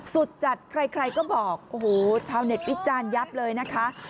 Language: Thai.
สุดจัดใครใครก็บอกโอ้โหชาวเน็ตวิจารณ์ยับเลยนะคะ